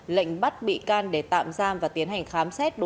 lệnh bắt bị can để tạm giam và tiến hành khám xét